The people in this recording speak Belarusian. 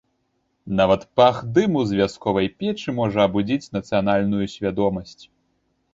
Нават пах дыму з вясковай печы можа абудзіць нацыянальную свядомасць.